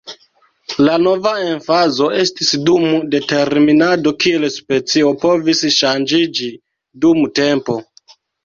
La nova emfazo estis dum determinado kiel specio povis ŝanĝiĝi dum tempo.